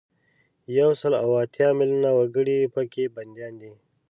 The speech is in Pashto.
یو سل او اتیا میلونه وګړي په کې بندیان دي.